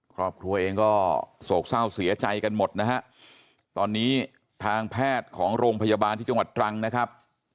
ครอบครัวเองก็โศกเศร้าเสียใจกันหมดนะฮะตอนนี้ทางแพทย์ของโรงพยาบาลที่จังหวัดตรังนะครับ